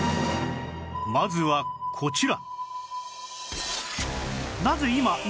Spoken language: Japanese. まずはこちら